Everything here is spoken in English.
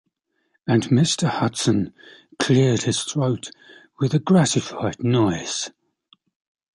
And Mr. Hudson cleared his throat with a gratified noise.